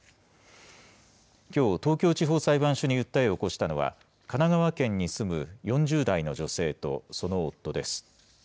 きょう、東京地方裁判所に訴えを起こしたのは、神奈川県に住む４０代の女性とその夫です。